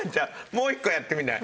もう１個やってみない？